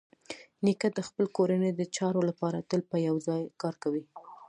نیکه د خپلې کورنۍ د چارو لپاره تل په یوه ځای کار کوي.